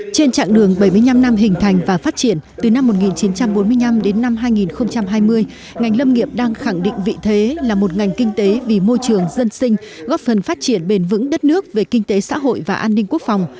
trên trạng đường bảy mươi năm năm hình thành và phát triển từ năm một nghìn chín trăm bốn mươi năm đến năm hai nghìn hai mươi ngành lâm nghiệp đang khẳng định vị thế là một ngành kinh tế vì môi trường dân sinh góp phần phát triển bền vững đất nước về kinh tế xã hội và an ninh quốc phòng